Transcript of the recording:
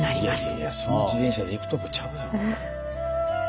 いやいや自転車で行くとこちゃうやろ。